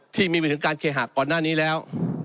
ที่มีเรื่องการเคหากก่อนหน้านี้แล้ว